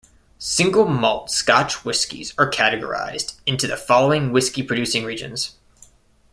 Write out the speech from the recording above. Single Malt Scotch whiskies are categorised into the following whisky-producing regions.